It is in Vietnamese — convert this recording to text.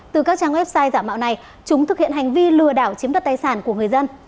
từ các trang website giả mạo này chúng thực hiện hành vi lừa đảo chiếm đoạt tài sản của người dân